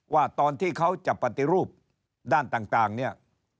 ว่าตอนที่เขาจะปฏิรูปด้านต่างเนี่ย